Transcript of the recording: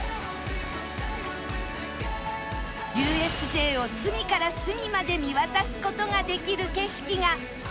さらにＵＳＪ を隅から隅まで見渡す事ができる景色が